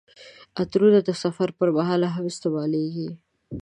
عطرونه د سفر پر مهال هم استعمالیږي.